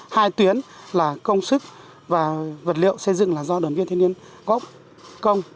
hai tuyến là công sức và vật liệu xây dựng là do đoàn viên thanh niên góp công